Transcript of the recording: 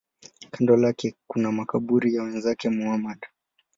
Kando lake kuna makaburi ya wenzake Muhammad.